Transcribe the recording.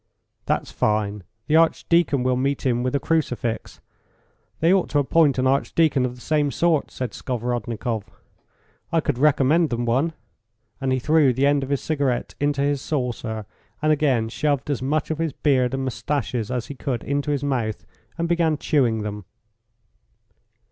"That's fine. The archdeacon will meet him with a crucifix. They ought to appoint an archdeacon of the same sort," said Skovorodnikoff. "I could recommend them one," and he threw the end of his cigarette into his saucer, and again shoved as much of his beard and moustaches as he could into his mouth and began chewing them.